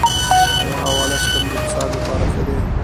آیا حواله سیستم د اقتصاد لپاره ښه دی؟